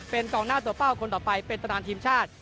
เป็นกองหน้าตัวเป้าคนต่อไปเป็นตารางทีมชาติ